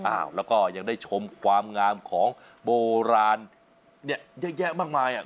อ้าวแล้วก็ยังได้ชมความงามของโบราณเนี่ยเยอะแยะมากมายอ่ะ